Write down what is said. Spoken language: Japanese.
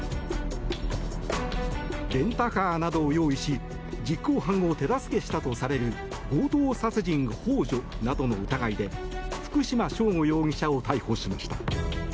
レンタカーなどを用意し実行犯を手助けしたとされる強盗殺人幇助などの疑いで福島聖悟容疑者を逮捕しました。